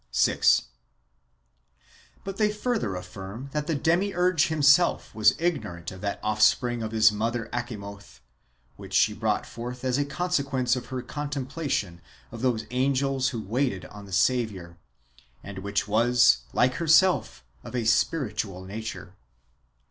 6. But they further affirm that the Demiurge himself was ignorant of that offspring of his mother Achamoth, which she brought forth as a consequence of her contemplation of those angels who waited on the Saviour, and which was, like herself, of a spiritual nature.